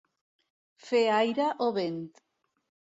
Fer aire o vent.